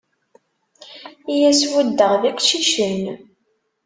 I as-buddeɣ d iqcicen.